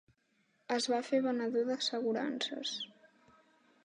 Es va fer venedor d'assegurances.